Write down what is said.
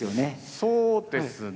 そうですね。